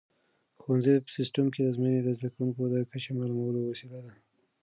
د ښوونځي په سیسټم کې ازموینې د زده کوونکو د کچې معلومولو وسیله ده.